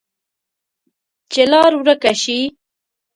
چې لار ورکه شي،